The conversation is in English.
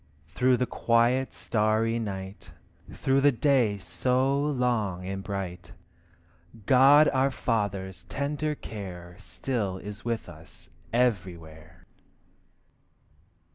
Through the quiet starry night, Through the day so long and bright, God our Father's tender care Still is with us everywhere.